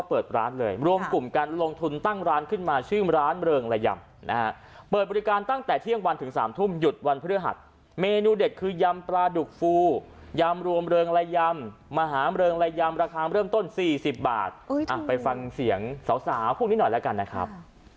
เปิดร้านเลยรวมกลุ่มการลงทุนตั้งร้านขึ้นมาชื่อร้านเริงระยำนะฮะเปิดบริการตั้งแต่เที่ยงวันถึง๓ทุ่มหยุดวันพฤหัสเมนูเด็ดคือยำปลาดุกฟูยำรวมเริงละยำมหาเริงละยำราคาเริ่มต้น๔๐บาทไปฟังเสียงสาวพวกนี้หน่อยแล้วกันนะครับ